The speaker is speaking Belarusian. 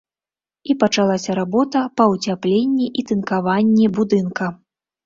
І пачалася работа па ўцяпленні і тынкаванні будынка.